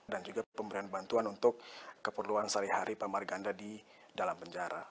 dan juga pemberian bantuan untuk keperluan sehari hari pak marganda di dalam penjara